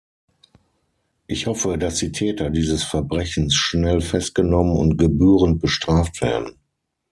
Ich hoffe, dass die Täter dieses Verbrechens schnell festgenommen und gebührend bestraft werden.